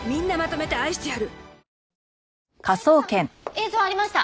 映像ありました！